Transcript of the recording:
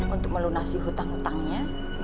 untuk melunasi hutang hutangnya